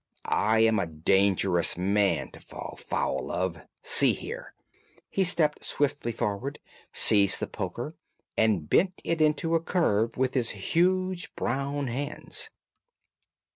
I am a dangerous man to fall foul of! See here." He stepped swiftly forward, seized the poker, and bent it into a curve with his huge brown hands.